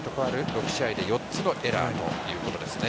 ６試合で４つのエラーということです。